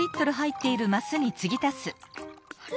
あれ？